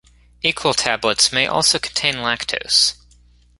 Equal tablets may also contain lactose.